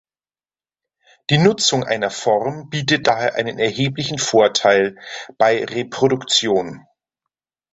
Die Nutzung einer Form bietet daher einen erheblichen Vorteil bei Reproduktion.